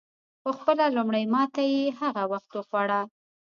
خو خپله لومړۍ ماته یې هغه وخت وخوړه.